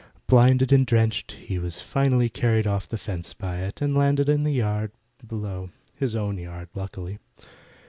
Blinded and drenched, he was finally carried off the fence by it, and landed in the yard below his own yard, luckily.